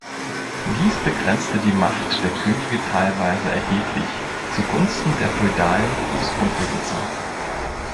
Dies begrenzte die Macht der Könige teilweise erheblich zugunsten der feudalen Großgrundbesitzer.